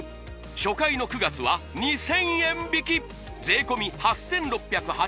初回の９月は２０００円引き税込８６８０円１食